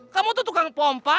kamu tuh tukang pompa